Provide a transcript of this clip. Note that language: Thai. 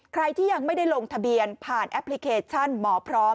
ใครที่ยังไม่ได้ลงทะเบียนผ่านแอปพลิเคชันหมอพร้อม